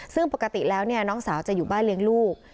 ซึ่งปกติแล้วน้องสาวจะอยู่บ้านเลี้ยงลูก